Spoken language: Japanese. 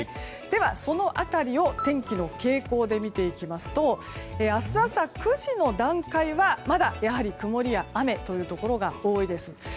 では、その辺りを天気の傾向で見ていきますと明日朝９時の段階はまだやはり曇りや雨というところが多いです。